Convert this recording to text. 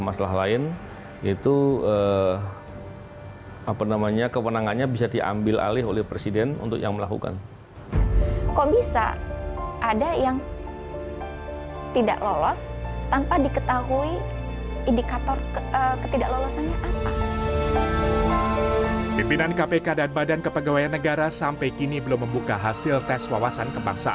berikutnya keputusan mahkamah konstitusi yang tidak diikuti pimpinan terkait alih status jabatan pegawai ini di dalam undang undang kpk